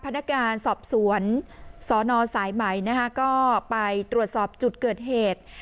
พนักงานสอบสวนสนสายไหมนะคะก็ไปตรวจสอบจุดเกิดเหตุ